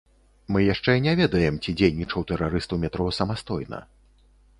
Мы яшчэ не ведаем, ці дзейнічаў тэрарыст у метро самастойна.